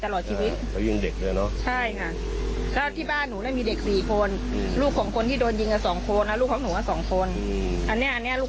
ลูกของหนูก็๒คนอันเนี้ยลูกคล้นเล็กของหนูอยู่ในบ้าน